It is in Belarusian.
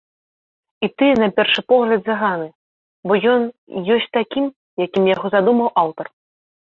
І тыя на першы погляд заганы, бо ён ёсць такім, якім яго задумаў аўтар.